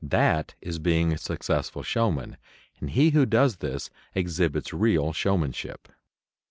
That is being a successful showman, and he who does this exhibits real showmanship.